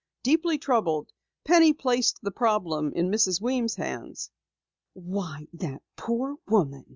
Deeply troubled, Penny placed the problem in Mrs. Weems' hands. "Why, that poor woman!"